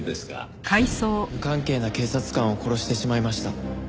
「無関係な警察官を殺してしまいました」